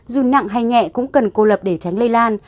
dù nặng hay nhẹ cũng cần cô lập để tránh lây lan